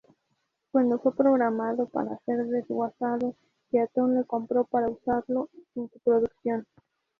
Cuando fue programado para ser desguazado, Keaton lo compró para usarlo en su producción.